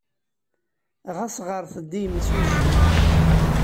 Ɣas ɣret-d i yemsujji.